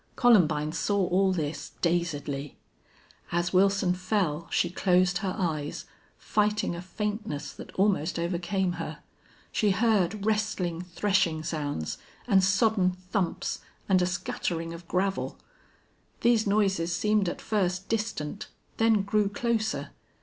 Columbine saw all this dazedly. As Wilson fell she closed her eyes, fighting a faintness that almost overcame her. She heard wrestling, threshing sounds, and sodden thumps, and a scattering of gravel. These noises seemed at first distant, then grew closer.